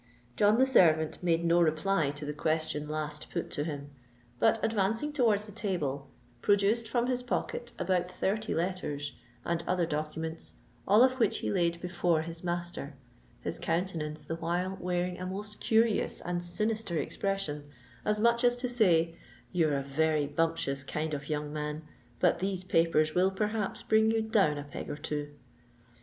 John, the servant, made no reply to the question last put to him, but advancing towards the table, produced from his pocket about thirty letters and other documents, all of which he laid before his master, his countenance the while wearing a most curious and very sinister expression, as much as to say, "You're a very bumptious kind of a young man; but these papers will, perhaps, bring you down a peg or two."